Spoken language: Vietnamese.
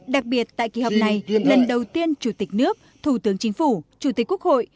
đặc biệt tại kỳ họp này lần đầu tiên chủ tịch nước thủ tướng chính phủ chủ tịch quốc hội